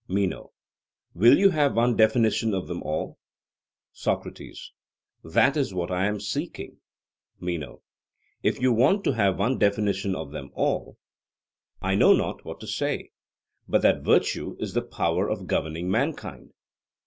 MENO: Will you have one definition of them all? SOCRATES: That is what I am seeking. MENO: If you want to have one definition of them all, I know not what to say, but that virtue is the power of governing mankind.